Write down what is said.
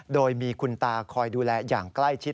โดยมีคุณตาคอยดูแลอย่างใกล้ชิด